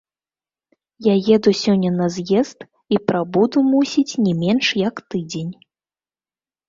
Я еду сёння на з'езд і прабуду, мусіць, не менш як тыдзень.